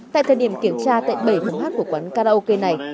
tại thời điểm kiểm tra tại bảy phòng hát của quán karaoke này